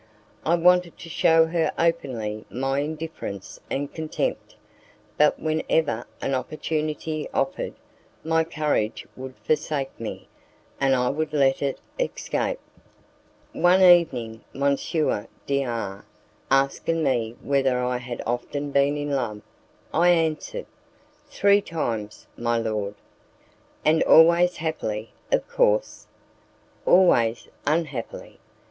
I wanted to shew her openly my indifference and contempt, but whenever an opportunity offered, my courage would forsake me, and I would let it escape. One evening M. D R asking me whether I had often been in love, I answered, "Three times, my lord." "And always happily, of course." "Always unhappily.